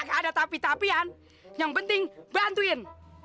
heeh kakak ada tapi tapian yang penting bantuin